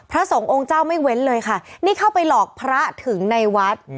พระสงฆ์องค์เจ้าไม่เว้นเลยค่ะนี่เข้าไปหลอกพระถึงในวัด